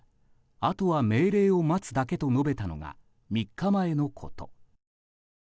あとは命令を待つだけと述べたのが３日前のこと。